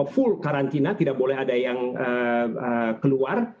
full karantina tidak boleh ada yang keluar